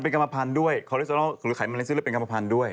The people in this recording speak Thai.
ไม่นี่สำคัญที่สูตรยูมันเป็นกรรมพันธุ์